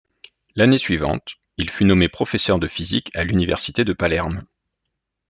L'année suivante, il fut nommé professeur de physique à l'université de Palerme.